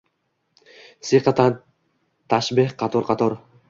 Siyqa tashbeh qator-qator